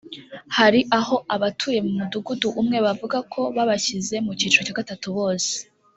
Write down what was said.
Hari aho abatuye mu mudugudu umwe bavuga ko babashyize mu cyiciro cya gatatu bose